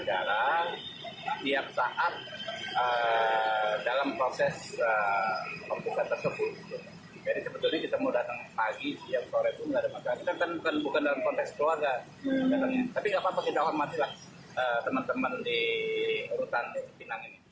tapi nggak apa apa kita hormatilah teman teman di rutan cipinang ini